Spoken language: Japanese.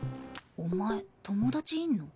お前友達いんの？